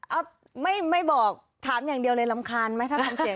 เอ่อไม่บอกถามอย่างเดียวเลยรำคาญไหม